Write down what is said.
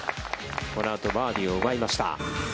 このあと、バーディーを奪いました。